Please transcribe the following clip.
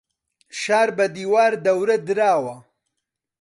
شار بە دیوار دەورە دراوە.